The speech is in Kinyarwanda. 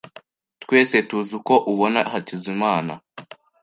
Twese tuzi uko ubona Hakizimana .